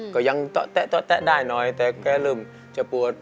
ก็ยังแตะได้หน่อยแต่แกเริ่มจะปวด